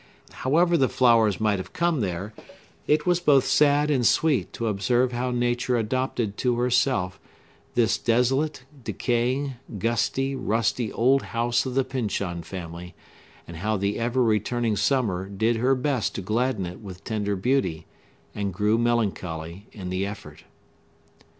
However the flowers might have come there, it was both sad and sweet to observe how Nature adopted to herself this desolate, decaying, gusty, rusty old house of the Pyncheon family; and how the ever returning Summer did her best to gladden it with tender beauty, and grew melancholy in the effort.